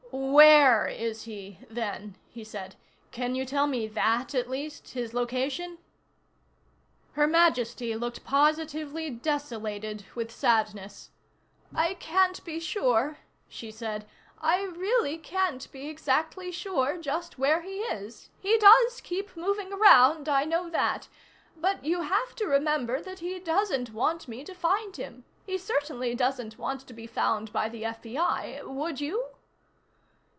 "Where is he, then," said. "Can you tell me that, at least? His location?" Her Majesty looked positively desolated with sadness. "I can't be sure," she said. "I really can't be exactly sure just where he is. He does keep moving around, I know that. But you have to remember that he doesn't want me to find him. He certainly doesn't want to be found by the FBI would you?"